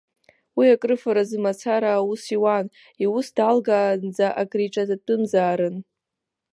Уи акрыфаразы мацара аус иуан, иус далгаанӡа акриҿаҵатәымзаарын.